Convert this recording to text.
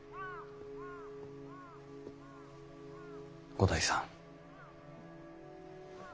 五代さん。